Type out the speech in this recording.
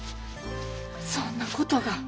そんなことが。